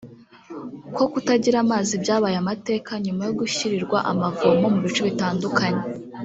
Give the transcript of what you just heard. ko kutagira amazi byabaye amateka nyuma yo gushyirirwa amavomo mu bice bitandukanye